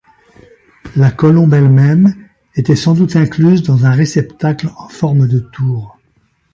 La colombe elle-même était sans doute incluse dans un réceptacle en forme de tour.